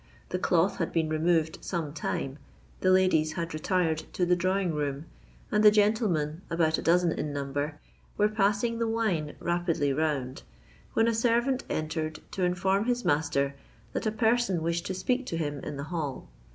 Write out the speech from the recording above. The cloth had been removed some time—the ladies had retired to the drawing room—and the gentlemen, about a dozen in number, were passing the wine rapidly round, when a servant entered to inform his master that a person wished to speak to him in the hall.